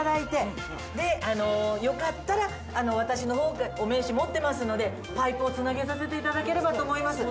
でよかったら私の方からお名刺持ってますのでパイプを繋げさせて頂ければと思います。